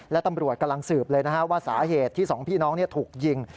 และตำรวจกำลังสืบเลยนะฮะว่าสาเหตุที่สองพี่น้องถูกยิง